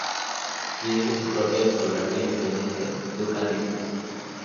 Dirige su propia discográfica independiente, "Duncan Discos".